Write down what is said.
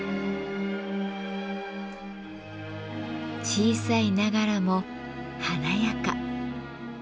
小さいながらも華やか。